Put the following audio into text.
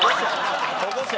保護者？